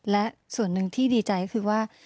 และส่วนหนึ่งที่ดีใจก็คือว่า